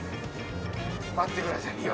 待ってくださいよ。